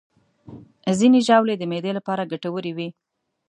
ځینې ژاولې د معدې لپاره ګټورې وي.